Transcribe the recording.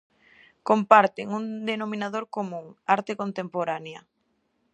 Comparten un denominador común: arte contemporánea.